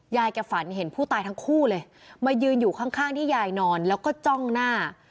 ยายแกฝันเห็นผู้ตายทั้งคู่เลยมายืนอยู่ข้างที่ยายนอนแล้วก็จ้องหน้า